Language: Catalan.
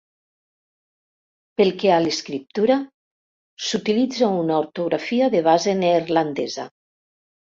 Pel que a l'escriptura, s'utilitza una ortografia de base neerlandesa.